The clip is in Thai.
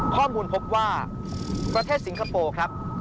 ข้อมูลพบว่าประเทศสิงคโปร์ครับ